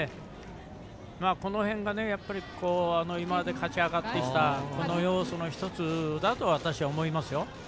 この辺が今まで勝ち上がってきた要素の１つだと私は思いますよ。